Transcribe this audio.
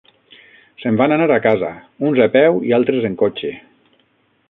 Se'n van anar a casa, uns a peu i altres en cotxe.